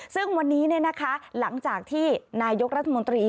ซึ่งวันนี้หลังจากที่นายกรัฐมนตรี